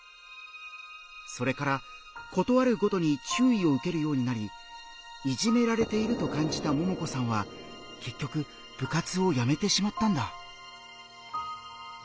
それから事あるごとに注意を受けるようになりいじめられていると感じたももこさんは結局部活をやめてしまったんだ。